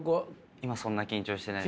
今そんな緊張してないです。